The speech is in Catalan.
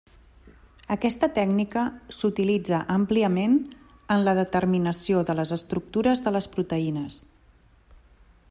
Aquesta tècnica s'utilitza àmpliament en la determinació de les estructures de les proteïnes.